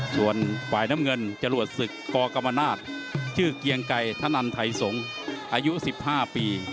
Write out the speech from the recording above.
ส่วนฝ่ายน้ำเงินจรวดศึกกกรรมนาศชื่อเกียงไก่ธนันไทยสงศ์อายุ๑๕ปี